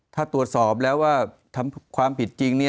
ถ้าตรวจสอบแล้วว่าทำความผิดจริง